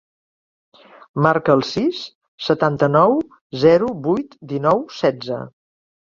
Marca el sis, setanta-nou, zero, vuit, dinou, setze.